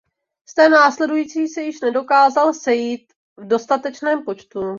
K té následující se již nedokázal sejít v dostatečném počtu.